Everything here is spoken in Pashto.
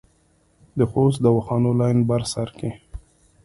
د خوست دواخانو لین بر سر کې